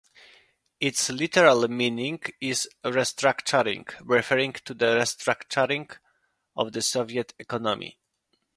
Its literal meaning is "restructuring", referring to the restructuring of the Soviet economy.